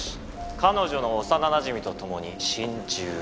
彼女の幼なじみと共に心中。